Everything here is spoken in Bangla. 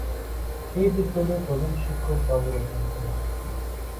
এ বিদ্যালয়ের প্রধান শিক্ষক বাবু রতন কুমার।